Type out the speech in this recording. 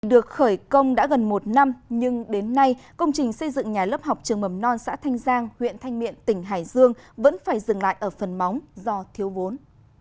được khởi công đã gần một năm nhưng đến nay công trình xây dựng nhà lớp học trường mầm non xã thanh giang huyện thanh miện tỉnh hải dương vẫn phải dừng lại ở phần móng do thiếu vốn